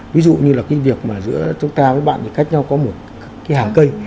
ví dụ như là cái việc mà giữa chúng ta với bạn thì cách nhau có một cái hàng cây